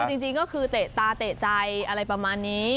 จริงก็คือเตะตาเตะใจอะไรประมาณนี้